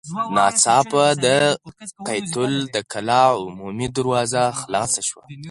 ناڅاپه د قيتول د کلا عمومي دروازه خلاصه شوه.